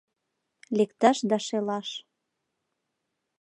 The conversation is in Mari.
— Лекташ да шелаш.